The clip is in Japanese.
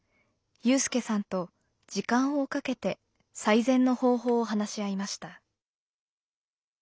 有さんと時間をかけて最善の方法を話し合いました。